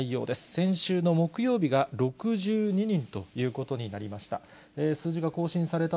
先週の木曜日が６２人ということになりました。